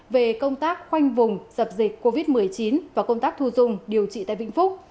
về công tác khoanh vùng dập dịch covid một mươi chín và công tác thu dung điều trị tại vĩnh phúc